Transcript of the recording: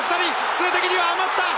数的には余った！